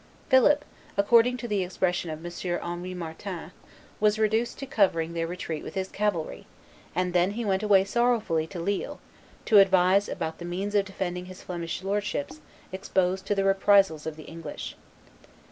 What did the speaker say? Philip, according to the expression of M. Henri Martin, was reduced to covering their retreat with his cavalry; and then he went away sorrowfully to Lille, to advise about the means of defending his Flemish lordships exposed to the reprisals of the English.